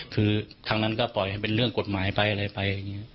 คือทางนั้นก็ปล่อยให้เป็นเรื่องกฎหมายไปอะไรไปอย่างนี้